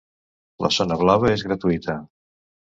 La zona blava és gratuïta.